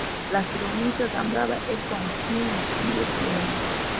La kilomita za mraba elfu hamsini na Tibet yenye